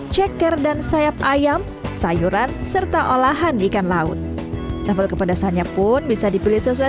ceker dan sayap ayam sayuran serta olahan ikan laut level kepedasannya pun bisa dipilih sesuai